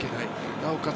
なおかつ